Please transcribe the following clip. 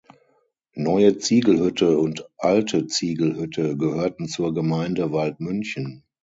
Neue Ziegelhütte und Alte Ziegelhütte gehörten zur Gemeinde Waldmünchen.